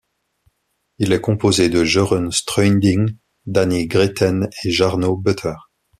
Il est composé de Jeroen Streunding, Danny Greten et Jarno Butter.